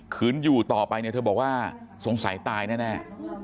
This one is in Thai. คืนอยู่ต่อไปเนี่ยเธอบอกว่าสงสัยตายแน่